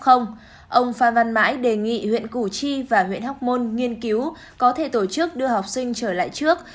ông phan văn mãi đề nghị huyện củ chi và huyện hóc môn nghiên cứu có thể tổ chức đưa học sinh trở lại trước